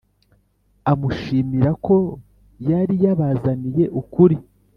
amushimira ko yari yabazaniye ukuri .